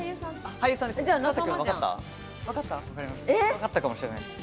わかったかもしれないです。